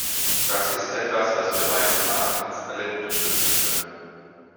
Das ist etwas, was wir meines Erachtens alle unterstützen können.